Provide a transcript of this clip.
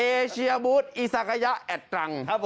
เอเชียมูทอิสักยะแอดตรัง